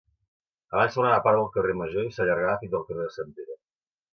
Abans formava part del carrer Major i s'allargava fins al carrer de Sant Pere.